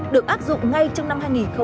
được áp dụng ngay trong năm hai nghìn hai mươi